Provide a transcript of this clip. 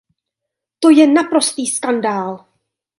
To je naprostý skandál!